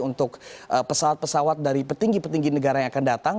untuk pesawat pesawat dari petinggi petinggi negara yang akan datang